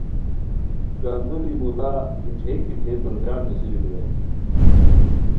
کندوری مودا کیٹھئے کیٹھئے تو ژان نیسرو بیرائے